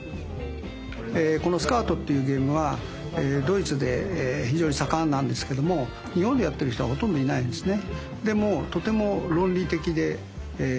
この「スカート」っていうゲームはドイツで非常に盛んなんですけども日本でやっている人はほとんどいないですね。